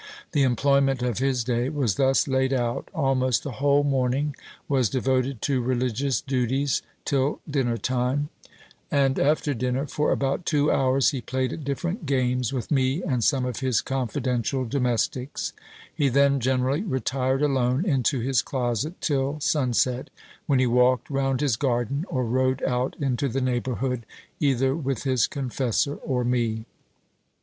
The employment of his day was thus laid out : almost the whole morning was devoted to religious duties, till dinner time ; and after dinner, for about two hours, he played at different games with me and some of his confidential domestics : he then generally retired alone into his closet till sunset, when he walked round his garden, or rode out into the neigh bourhood either with his confessor or me.